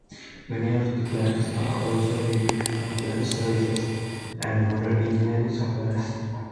Many of the plans are also reprinted by plans services and model engineering suppliers.